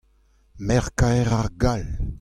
Merc'h-kaer ar Gall.